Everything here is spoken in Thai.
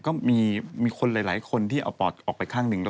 ก็มีคนหลายคนที่เอาปอดออกไปข้างหนึ่ง